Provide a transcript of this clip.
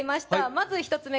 まず１つ目